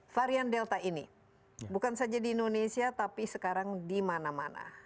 varian delta ini bukan saja di indonesia tapi sekarang di mana mana